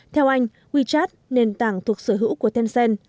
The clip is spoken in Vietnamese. theo anh wechat nền tảng thuộc sở hữu của tencent